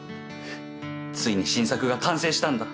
ついに新作が完成したんだ。